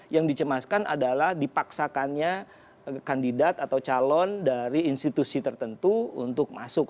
yang dicemaskan adalah dipaksakannya kandidat atau calon dari institusi tertentu untuk masuk